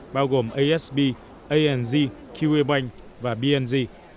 bao gồm asb anz kiwibank và bnz